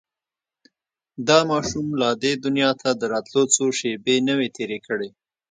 دا ماشوم لا دې دنيا ته د راتلو څو شېبې نه وې تېرې کړې.